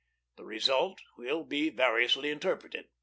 This result will be variously interpreted.